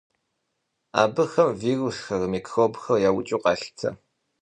Абыхэм вирусхэр, микробхэр яукӏыу къалъытэ.